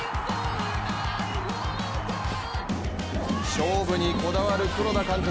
勝負にこだわる黒田監督